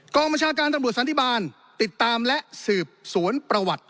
บัญชาการตำรวจสันติบาลติดตามและสืบสวนประวัติ